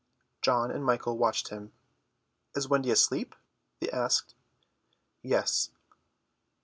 John and Michael watched him. "Is Wendy asleep?" they asked. "Yes."